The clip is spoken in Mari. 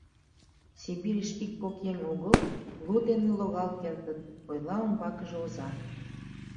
— Сибирьыш ик-кок еҥ огыл, лу дене логал кертыт, — ойла умбакыже оза.